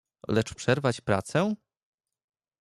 "Lecz przerwać pracę?"